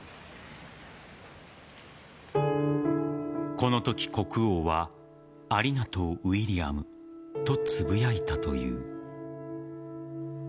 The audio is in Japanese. このとき、国王はありがとう、ウィリアムとつぶやいたという。